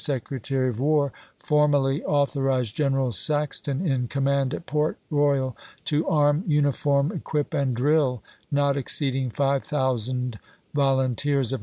Secretary of War formally authorized General Sax ton, in command at Port Royal, to arm, uniform, equip, and drill not exceeding 5000 volunteers of saxton.